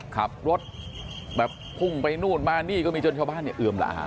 ขับรถพุ่งไปนู้นมานี่ก็มีชาวบ้านอืมล่ะฮะ